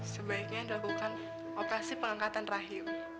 sebaiknya melakukan operasi pengangkatan rahim